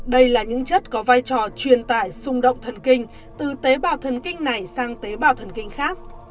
đây là những chất có vai trò truyền tải xung động thần kinh từ tế bào thần kinh này sang tế bào thần kinh khác